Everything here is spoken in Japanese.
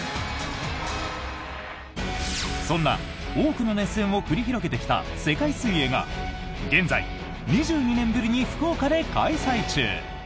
そんな多くの熱戦を繰り広げてきた世界水泳が現在、２２年ぶりに福岡で開催中！